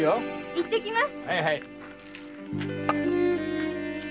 行ってきます。